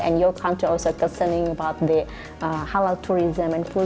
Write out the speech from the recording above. dan negara anda juga berpikir tentang turisme halal dan turisme full